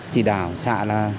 chỉ đảo xã